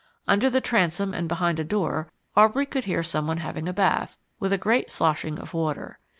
Under the transom and behind a door Aubrey could hear someone having a bath, with a great sloshing of water.